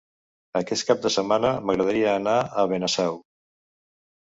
Aquest cap de setmana m'agradaria anar a Benasau.